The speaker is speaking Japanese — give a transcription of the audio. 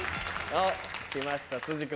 おっ来ました君。